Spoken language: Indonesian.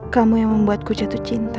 kamu yang membuatku jatuh cinta